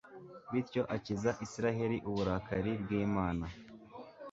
bityo akiza israheli uburakari bw'imana